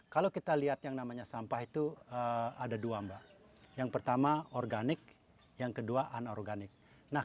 kalau kita lihat yang namanya sampah itu ada dua mbak yang pertama organik yang kedua anorganik